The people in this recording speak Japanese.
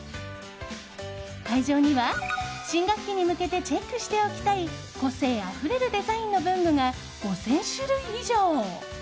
会場には、新学期に向けてチェックしておきたい個性あふれるデザインの文具が５０００種類以上。